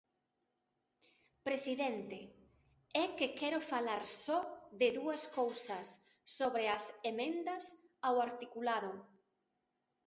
Presidente, é que quero falar só de dúas cousas sobre as emendas ao articulado.